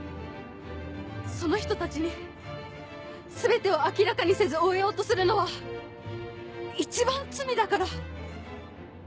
その人たちに全てを明らかにせず終えようとするのは一番罪だから。